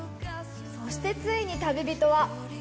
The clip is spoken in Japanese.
そしてついに旅人は。